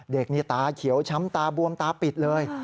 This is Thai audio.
เด็กนี่ตาเขียวช้ำตาบวมตาปิดเลย